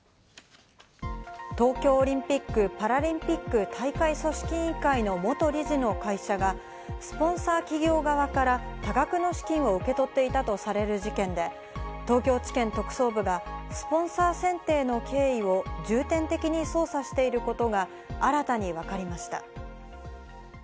東京オリンピック・パラリンピック大会組織委員会の元理事の会社がスポンサー企業側から多額の資金を受け取っていたとされる事件で、東京地検特捜部がスポンサー選定の経緯を重点的に捜査していることが新たに分かりました。